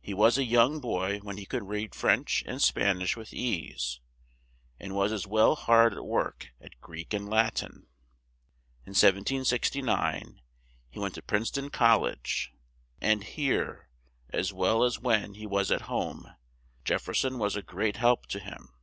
He was a young boy when he could read French and Span ish with ease, and was as well hard at work at Greek and Lat in. In 1769 he went to Prince ton Col lege, and here, as well as when he was at home, Jef fer son was a great help to him.